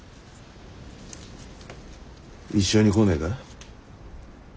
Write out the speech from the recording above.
一緒に来ねえか。